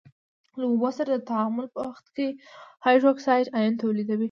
له اوبو سره د تعامل په وخت کې هایدروکساید آیون تولیدوي.